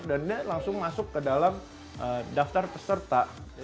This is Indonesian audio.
dan dia langsung masuk ke dalam daftar peserta